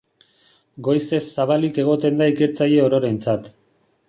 Goizez zabalik egoten da ikertzaile ororentzat.